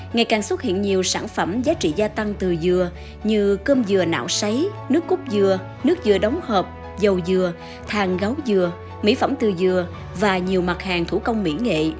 ngày càng xuất hiện nhiều sản phẩm giá trị gia tăng từ dừa như cơm dừa nạo sấy nước cút dừa nước dừa đóng hợp dầu dừa thang gấu dừa mỹ phẩm từ dừa và nhiều mặt hàng thủ công mỹ nghệ